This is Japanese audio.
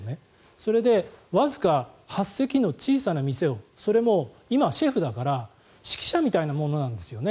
それで、わずか８席の小さな店をそれも今シェフだから指揮者みたいなものなんですね。